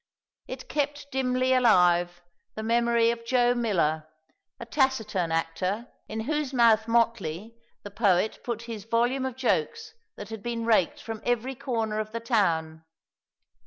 It kept dimly alive the memory of Joe Miller, a taciturn actor, in whose mouth Mottley, the poet put his volume of jokes that had been raked from every corner of the town.